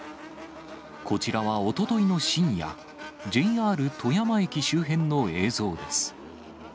こちらはおとといの深夜、ＪＲ富山駅周辺の映像です。